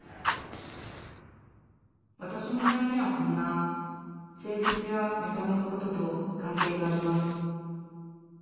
わたしのなやみはそんな性別や見た目のことと関係があります